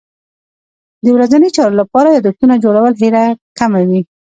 د ورځني چارو لپاره یادښتونه جوړول هېره کمه وي.